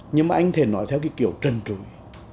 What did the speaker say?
nhưng mà anh có thể nói theo cái kiểu trần trùi